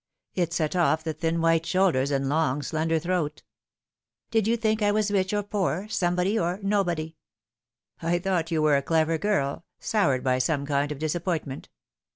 It set off the thin white shoulders and long slender throat." " Did you think I was rich or poor, somebody or nobody ?"" I thought you were a clever girl, soured by some kind of disappointment."